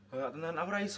aku gak tenang aku gak bisa